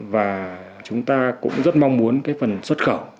và chúng ta cũng rất mong muốn cái phần xuất khẩu